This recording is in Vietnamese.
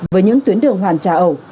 với những tuyến đường hoàn trả ẩu